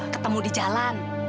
ketemu di jalan